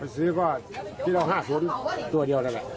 ซื้อก็ทีนี้เอา๕๐ตัวเดียวแล้วแหละ